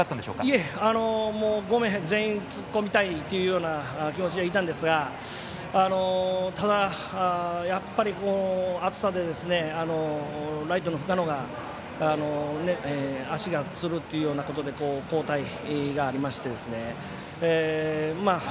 いえ、５名全員突っ込みたいという気持ちでいたんですがただ、やっぱり暑さでライトの深野が足がつるということで交代がありまして。